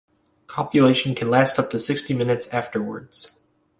Copulation can last up to sixty minutes afterwards.